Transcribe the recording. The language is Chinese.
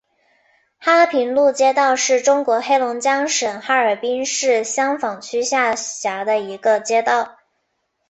哈平路街道是中国黑龙江省哈尔滨市香坊区下辖的一个街道。